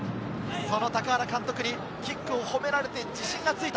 その高原監督にキックを褒められて自信がついた。